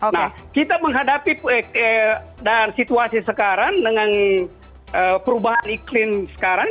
nah kita menghadapi dan situasi sekarang dengan perubahan iklim sekarang